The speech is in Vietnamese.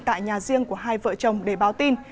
tại nhà riêng của hai vợ chồng để báo tin